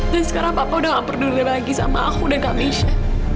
dan sekarang papa udah gak peduli lagi sama aku dan kamesha